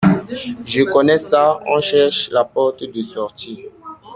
Je connais ça… on cherche la porte de sortie…